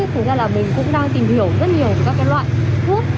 thực ra là mình cũng đang tìm hiểu rất nhiều các loại thuốc